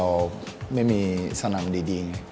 เราไม่มีสนามดีไง